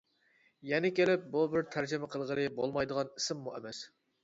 يەنە كېلىپ بۇ بىر تەرجىمە قىلغىلى بولمايدىغان ئىسىممۇ ئەمەس.